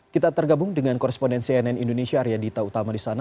kita tergabung dengan koresponden cnn indonesia arya dita utama di sana